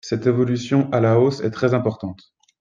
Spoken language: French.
Cette évolution à la hausse est très importante.